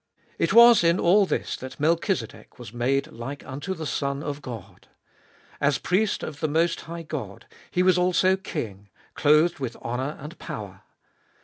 It was in all this that Melchizedek was made like unto the Son of God. As priest of the Most High God, he was also king, clothed with honour and power.